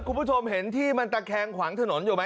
คุณผู้ชมเห็นที่มันตะแคงขวางถนนอยู่ไหม